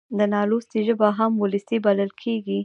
د نالوستي ژبه هم وولسي بلل کېږي.